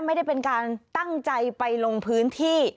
ไม่ได้เป็นการตั้งใจไปลงพื้นที่